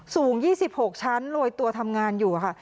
สูง๒๖ชั้นโรยตัวทำงานอยู่ค่ะ